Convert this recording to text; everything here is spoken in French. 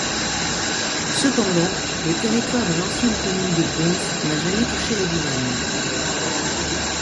Cependant, le territoire de l'ancienne commune de Broons n'a jamais touché la Vilaine.